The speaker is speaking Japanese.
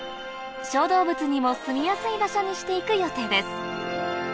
小動物にもすみやすい場所にして行く予定です